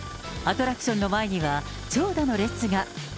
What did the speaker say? アトラクションの前には、長蛇の列が。